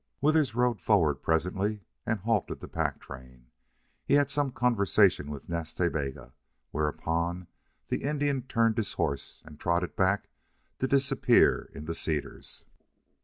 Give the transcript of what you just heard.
Withers rode forward presently and halted the pack train. He had some conversation with Nas Ta Bega, whereupon the Indian turned his horse and trotted back, to disappear in the cedars.